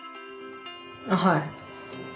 はい。